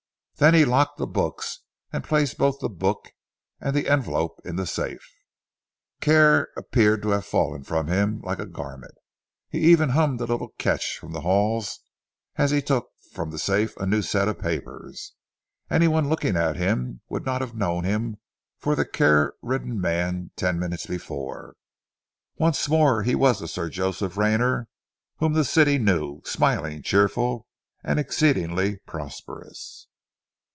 Then he locked the books and placed both the book and the envelope in the safe. Care appeared to have fallen from him like a garment. He even hummed a little catch from the halls as he took from the safe a new set of papers. Any one looking at him would not have known him for the care ridden man of ten minutes before. Once more he was the Sir Joseph Rayner, whom the city knew, smiling, cheerful, and exceeding prosperous.